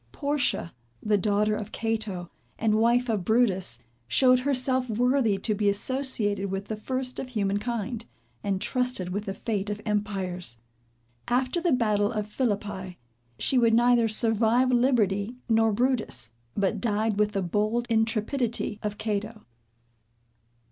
Portia, the daughter of Cato, and wife of Brutus, showed herself worthy to be associated with the first of human kind, and trusted with the fate of empires. After the battle of Phillippi, she would neither survive liberty nor Brutus, but died with the bold intrepidity of Cato.